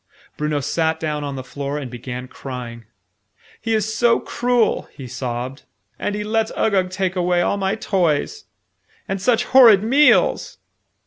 Bruno sat down on the floor and began crying. "He is so cruel!" he sobbed. "And he lets Uggug take away all my toys! And such horrid meals!"